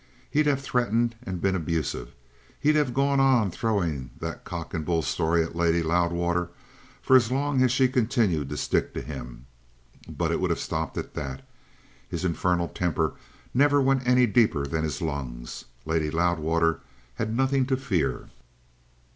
"He'd have threatened and been abusive. He'd have gone on throwing that cock and bull story at Lady Loudwater for as long as she continued to stick to him; but it would have stopped at that. His infernal temper never went any deeper than his lungs. Lady Loudwater had nothing to fear."